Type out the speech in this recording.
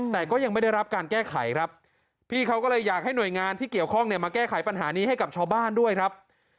แต่ก็ยังไม่ได้รับการแก้ไขครับพี่เขาก็เลยอยากให้หน่วยงานที่เกี่ยวข้องเนี่ยมาแก้ไขปัญหานี้ให้กับชาวบ้านด้วยครับ